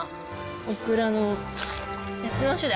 オクラの別の種類。